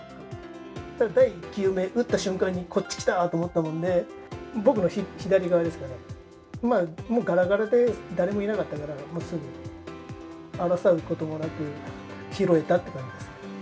第１球目、打った瞬間にこっち来たと思ったもんで、僕の左側ですかね、もうがらがらで誰もいなかったから、もうすぐ、争うこともなく、拾えたっていう感じですね。